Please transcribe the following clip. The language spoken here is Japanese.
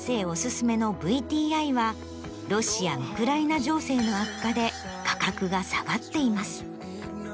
オススメのＶＴＩはロシア・ウクライナ情勢の悪化で価格が下がっています。